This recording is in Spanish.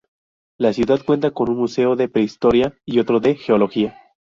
La ciudad cuenta con un museo de prehistoria y otro de geología.